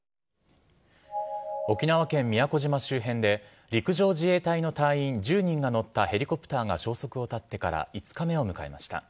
沖縄県宮古島周辺で、陸上自衛隊の隊員１０人が乗ったヘリコプターが消息を絶ってから５日目を迎えました。